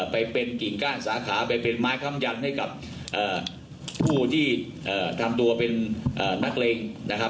ไปเป็นกิ่งก้านสาขาไปเป็นไม้คำยันให้กับผู้ที่ทำตัวเป็นนักเลงนะครับ